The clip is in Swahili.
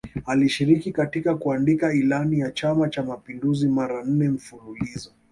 Alishiriki katika kuandika Ilani ya Chama cha Mapinduzi mara nne mfululizo